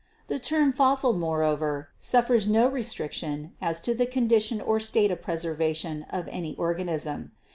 "The term fossil, moreover, suffers no restriction as to the condition or state of preservation of any organism.